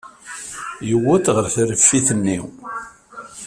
Yewweḍ ɣer tṛeffit-nni.